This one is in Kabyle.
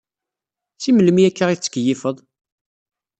Si melmi akka i tettkeyyifeḍ?